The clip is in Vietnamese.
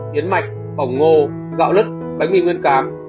yến mạch bổng ngô gạo lứt bánh mì nguyên cám